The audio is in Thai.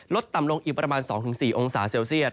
ต่ำลงอีกประมาณ๒๔องศาเซลเซียต